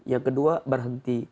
yang kedua berhenti